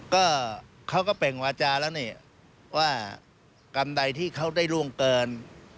ก็เขาก็เปล่งวาจาแล้วนี่ว่ากรรมใดที่เขาได้ร่วงเกิน